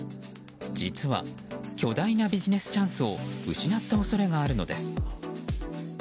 実は巨大なビジネスチャンスを失った恐れがあるのです。